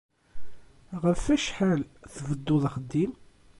Ɣef acḥal tbedduḍ axeddim?